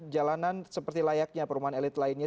jalanan seperti layaknya perumahan elit lainnya